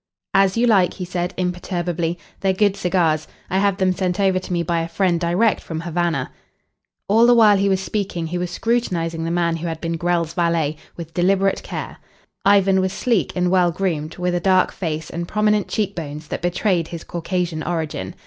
"As you like," he said imperturbably. "They're good cigars. I have them sent over to me by a friend direct from Havana." All the while he was speaking he was scrutinising the man who had been Grell's valet with deliberate care. Ivan was sleek and well groomed, with a dark face and prominent cheekbones that betrayed his Caucasian origin.